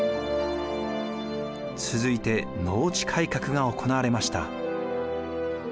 続いて農地改革が行われました。